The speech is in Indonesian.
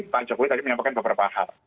pak jokowi tadi menyampaikan beberapa hal